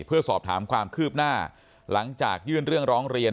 เพื่อสอบถามความคืบหน้าหลังจากยื่นเรื่องร้องเรียน